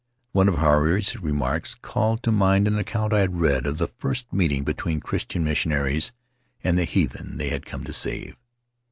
One of Huirai's remarks called to mind an account I had read of that first meet ing between Christian missionaries and the heathen they had come to save.